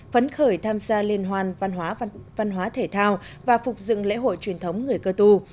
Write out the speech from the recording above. phấn khởi tham gia liên hoàn văn hóa thể thao và phục dựng lễ hội truyền thống người cơ tu